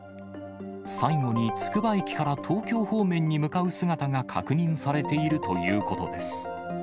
最後につくば駅から東京方面に向かう姿が確認されているということです。